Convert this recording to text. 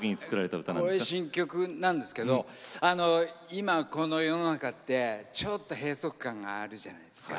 今この世の中ってちょっと閉塞感があるじゃないですか。